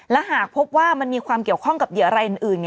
และหากพบว่ามันมีความเกี่ยวข้องกับเหยื่ออะไรอื่น